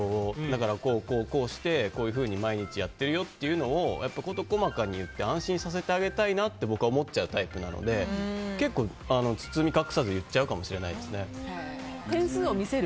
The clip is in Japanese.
だからこうこうして、こういうふうに毎日やってるよっていうのを事細かに言って安心させてあげたいなって僕は思っちゃうタイプなので結構、包み隠さず言っちゃうかも知れないです。